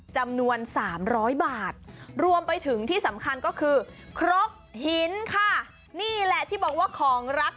จำนวน๓๐๐บาทรวมไปถึงที่สำคัญก็คือครบหินค่ะ